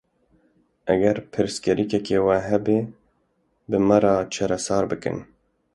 Eger pirsgirêkeke we hebe bi me re çareser bikin.